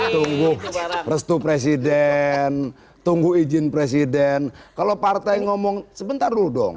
tunggu restu presiden tunggu izin presiden kalau partai ngomong sebentar dulu dong